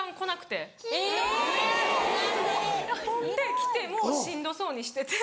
来てもしんどそうにしてて。